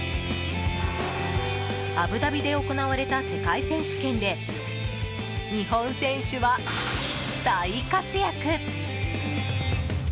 アブダビで行われた世界選手権で日本選手は大活躍。